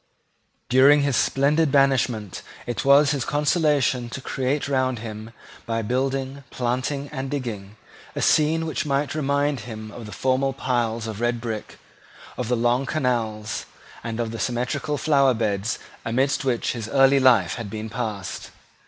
During his splendid banishment it was his consolation to create round him, by building, planting, and digging, a scene which might remind him of the formal piles of red brick, of the long canals, and of the symmetrical flower beds amidst which his early life had been passed.